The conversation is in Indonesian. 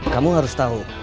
kamu harus tau